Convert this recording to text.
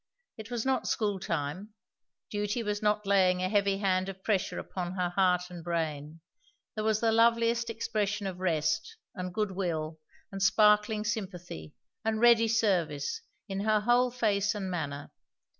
It was not school time; duty was not laying a heavy hand of pressure upon her heart and brain; there was the loveliest expression of rest, and good will, and sparkling sympathy, and ready service, in her whole face and manner.